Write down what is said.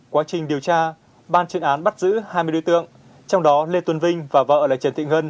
quá trình điều tra ban chuyên án bắt giữ hai mươi đối tượng trong đó lê tuấn vinh và vợ là trần thị hân